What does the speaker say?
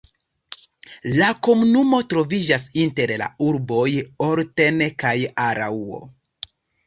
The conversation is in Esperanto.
La komunumo troviĝas inter la urboj Olten kaj Araŭo.